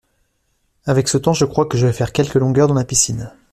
Avec ce temps, je crois que je vais faire quelques longueurs dans la piscine.